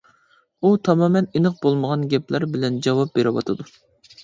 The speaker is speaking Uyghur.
ئۇ تامامەن ئېنىق بولمىغان گەپلەر بىلەن جاۋاب بېرىۋاتىدۇ.